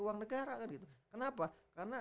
uang negara kan gitu kenapa karena